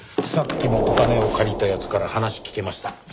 さっきもお金を借りた奴から話聞けました。